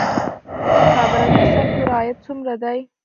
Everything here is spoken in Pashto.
د مخابراتي سکتور عاید څومره دی؟